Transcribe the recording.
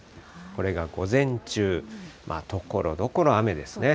これが午前中、ところどころ雨ですね。